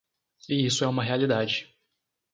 E isso é uma realidade.